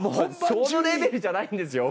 そのレベルじゃないんですよ俺。